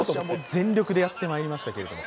全力でやってまいりましたけれども。